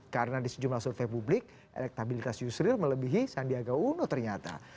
karena di sejumlah survei publik elektabilitas yusril melebihi sandiaga uno ternyata